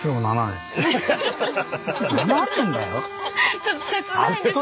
ちょっと切ないですけど。